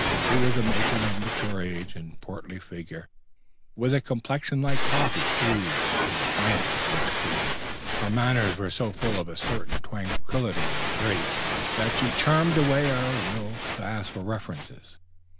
She was a matron of mature age and portly figure, with a complexion like coffee soothed with the richest cream; and her manners were so full of a certain tranquillity and grace, that she charmed away all our will to ask for references.